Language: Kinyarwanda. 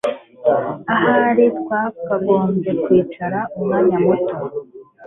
Ahari twakagombye kwicara umwanya muto.